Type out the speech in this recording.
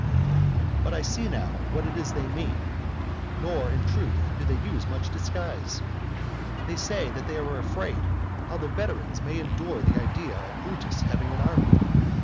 But I see now what it is they mean: nor, in truth, do they use much disguise. They say that they are afraid how the veterans may endure the idea of Brutus having an army.